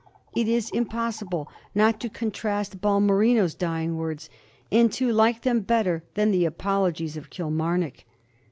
It is impossible not to contrast Bal^ merino's dying words, and to like them better than the apologies of Kilmarnock.